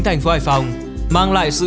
thành phố hải phòng mang lại sự